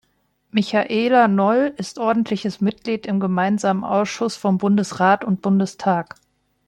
Michaela Noll ist ordentliches Mitglied im Gemeinsamen Ausschuss von Bundesrat und Bundestag.